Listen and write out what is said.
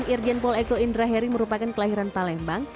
irjen poleko indraheri merupakan kelahiran palembang